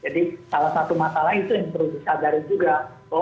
salah satu masalah itu yang perlu disadari juga